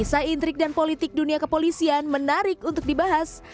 kisah intrik dan politik dunia kepolisian menarik untuk dibahas